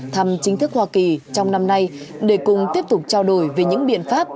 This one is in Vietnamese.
thăm chính thức hoa kỳ trong năm nay để cùng tiếp tục trao đổi về những biện pháp